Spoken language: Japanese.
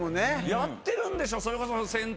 やってるんでしょ。